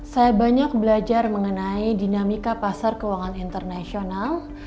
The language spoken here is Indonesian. saya banyak belajar mengenai dinamika pasar keuangan internasional